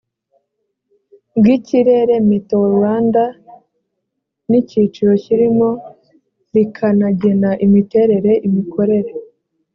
bw ikirere meteo rwanda n icyiciro kirimo rikanagena imiterere imikorere